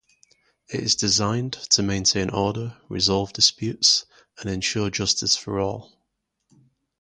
It is designed to maintain order, resolve disputes, and ensure justice for all.